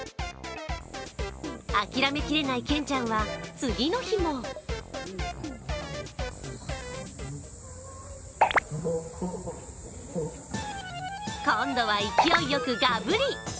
諦めきれないケンちゃんは次の日も今度は勢いよくガブリ。